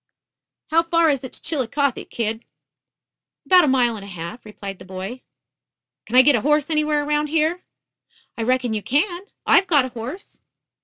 "How far is it to Chillicothe, kid?" "About a mile and a half," replied the boy. "Can I get a horse anywhere around here?" "I reckon you can. I've got a horse."